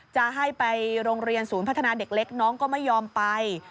จะให้ไปโรงเรียนศูนย์พัฒนาเด็กเล็กน้องก็ไม่ยอมไป